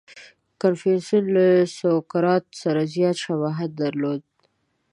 • کنفوسیوس له سوکرات سره زیات شباهت درلود.